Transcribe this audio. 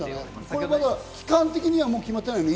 期間的には決まってないの？